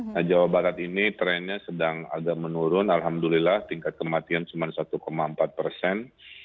nah jawa barat ini trennya sedang agak menurun alhamdulillah tingkat kematian cuma satu empat persen